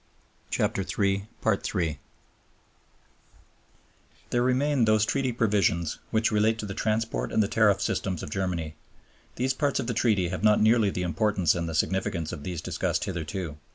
III There remain those Treaty provisions which relate to the transport and the tariff systems of Germany. These parts of the Treaty have not nearly the importance and the significance of those discussed hitherto.